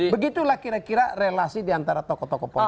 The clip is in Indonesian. begitulah kira kira relasi di antara tokoh tokoh politik